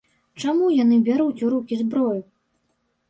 Чаму яны бяруць у рукі зброю?